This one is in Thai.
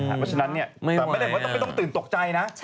คนต้องตัดขาทิ้งก็มีนะตอบไม่ได้แค่ติดตกใจนะ